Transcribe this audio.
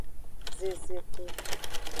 Zezexu.